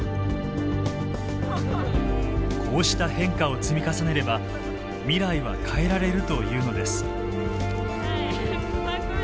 こうした変化を積み重ねれば未来は変えられるというのです。